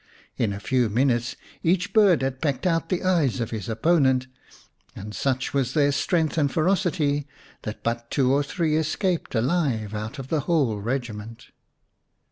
In a few minutes each bird had pecked out the eyes of his opponent, and such was their strength and ferocity that but two or three escaped alive out of the whole regiment.